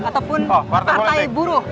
ataupun partai buruh